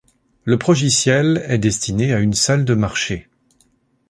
Le progiciel est destiné à une salle de marché.